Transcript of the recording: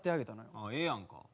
ああええやんか。